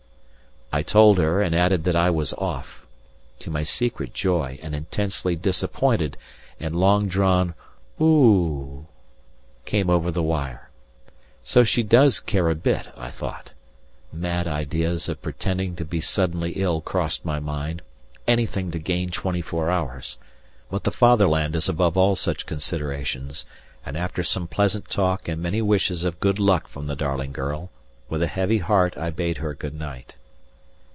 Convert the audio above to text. I told her, and added that I was off; to my secret joy, an intensely disappointed and long drawn "Oooh!" came over the wire. So she does care a bit, I thought. Mad ideas of pretending to be suddenly ill crossed my mind anything to gain twenty four hours but the Fatherland is above all such considerations, and after some pleasant talk and many wishes of good luck from the darling girl, with a heavy heart I bade her good night.